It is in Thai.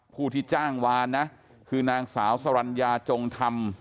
ผู้ที่จ้างวานนะคือนางสาวสรรญาจงธรรม